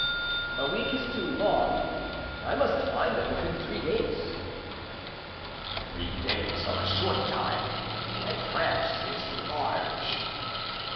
"A week is too long. I must find them within three days." "Three days are a short time and France is large."